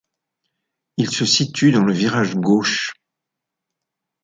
Il se situe dans le virage gauche.